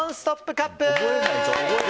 カップ！